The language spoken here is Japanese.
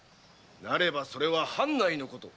なればそれは藩内のこと。